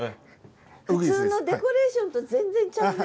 普通のデコレーションと全然ちゃうね。